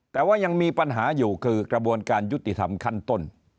แต่ว่ายังมีปัญหาอยู่คือกระบวนการยุติธรรมขั้นต้น